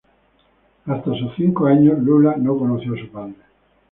Hasta sus cinco años, Lula no conoció a su padre.